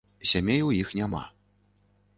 Сямей у іх няма.